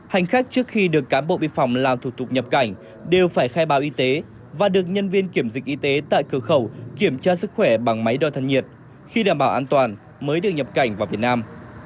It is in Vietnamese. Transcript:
hành khách trước khi được cán bộ biên phòng làm thủ tục nhập cảnh đều phải khai báo y tế và được nhân viên kiểm dịch y tế tại cửa khẩu kiểm tra sức khỏe bằng máy đo thân nhiệt khi đảm bảo an toàn mới được nhập cảnh vào việt nam